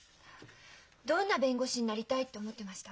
どんな弁護士になりたいって思ってました？